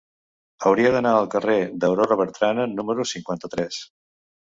Hauria d'anar al carrer d'Aurora Bertrana número cinquanta-tres.